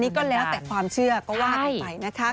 นี่ก็แล้วแต่ความเชื่อก็ว่ากันไปนะคะ